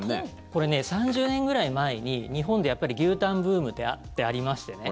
これ、３０年ぐらい前に日本で牛タンブームってありましてね。